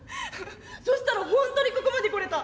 そしたら本当にここまで来れた。